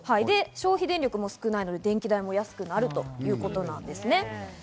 消費電力も少ないので、電気代も安くなるということです。